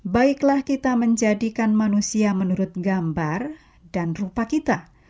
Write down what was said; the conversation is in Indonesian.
baiklah kita menjadikan manusia menurut gambar dan rupa kita